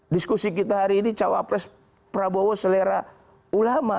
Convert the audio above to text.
diskusi kita hari ini cawapres prabowo selera ulama